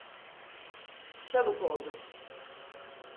Çabuk oldu.